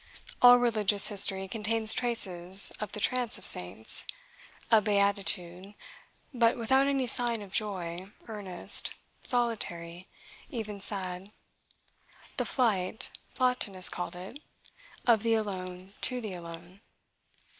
All religious history contains traces of the trance of saints, a beatitude, but without any sign of joy, earnest, solitary, even sad; "the flight," Plotinus called it, "of the alone to the alone."